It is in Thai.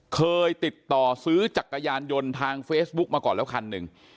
เคยติดต่อซื้อจักรยานยนต์ทางเฟซบุ๊กมาก่อนแล้วคันหนึ่ง